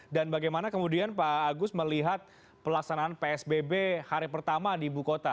dan bagaimana kemudian pak agus melihat pelaksanaan psbb hari pertama di ibu kota